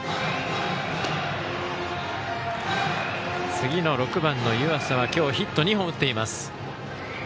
次の６番の湯浅は今日ヒット２本を打っています。